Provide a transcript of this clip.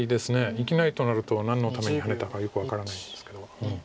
生きないとなると何のためにハネたかよく分からないんですけど。